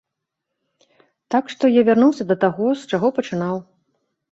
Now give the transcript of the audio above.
Так што я вярнуўся да таго, з чаго пачынаў.